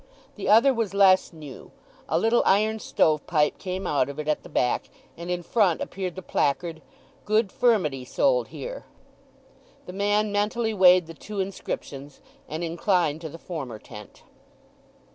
The other was less new; a little iron stove pipe came out of it at the back and in front appeared the placard, "Good Furmity Sold Hear." The man mentally weighed the two inscriptions and inclined to the former tent.